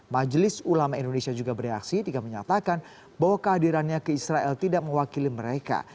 majelis ulama indonesia juga bereaksi tidak menyatakan bahwa kehadirannya ke israel tidak mewakili mereka